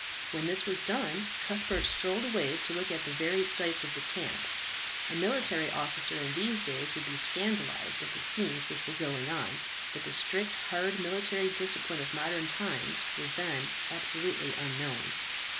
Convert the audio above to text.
When this was done, Cuthbert strolled away to look at the varied sights of the camp. A military officer in these days would be scandalized at the scenes which were going on, but the strict, hard military discipline of modern times was then absolutely unknown.